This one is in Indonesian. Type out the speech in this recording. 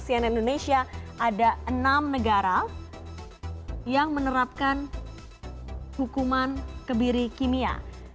di cnn indonesia ada enam negara yang menerapkan hukuman kebiri kimia